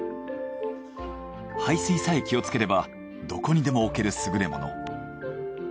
排水さえ気をつければどこにでも置ける優れもの。